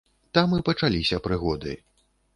Там і пачаліся прыгоды.